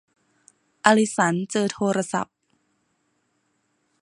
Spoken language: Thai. อลิสันเจอโทรศัพท์